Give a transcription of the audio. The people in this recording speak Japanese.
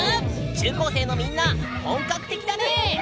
中高生のみんな本格的だね！